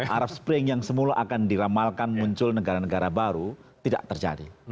arab spring yang semula akan diramalkan muncul negara negara baru tidak terjadi